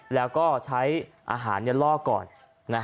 แล้วก็ใช้อาหารล่อก่อน